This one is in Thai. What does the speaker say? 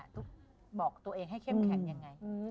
ตุ๊กบอกตัวเองให้เข้มแข็งยังไง